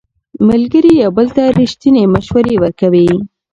ملګري یو بل ته ریښتینې مشورې ورکوي